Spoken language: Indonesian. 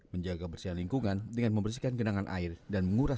menjaga bersihan lingkungan dengan membersihkan genangan air dan menguras